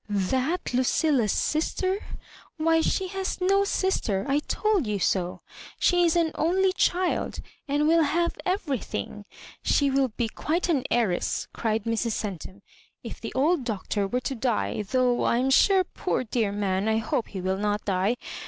" That Lucilla's sister I — why, she has no sis ter; I told you so; she is an only child,, and will have everything. She wUl be quite an heir ess," cried Mrs. Centum, " if the old Doctor were to die ; though, I am sure, poor dear man, I hope he will not die.